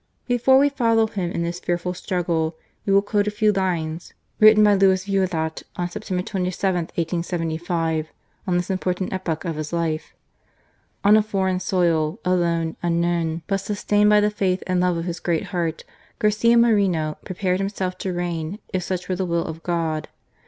Before we follow him in this fearful struggle, we will quote a few lines (witten by Louis Veuillot, on Sep tember 27, 1875) on this important epoch of his life :" On a foreign soil, alone, unknown, but sustained by the faith and love of his great heart, Garcia Moreno prepared himself to reign if such were the will of God.